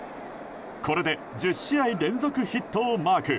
これで１０試合連続ヒットをマーク。